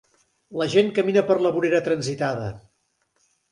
La gent camina per la vorera transitada.